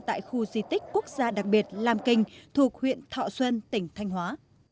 tại khu di tích quốc gia đặc biệt lam kinh thuộc huyện thọ xuân tỉnh thanh hóa